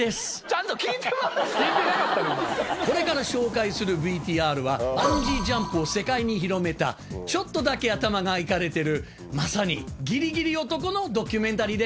これから紹介するＶＴＲはバンジージャンプを世界に広めたちょっとだけ頭がイカれてるまさにギリギリ男のドキュメンタリーです。